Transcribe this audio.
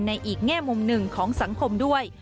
อีกแง่มุมหนึ่งของสังคมด้วย